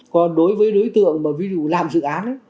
còn đối với đối tượng mà ví dụ làm dự án